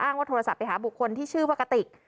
ว่าโทรศัพท์ไปหาบุคคลที่ชื่อว่ากติก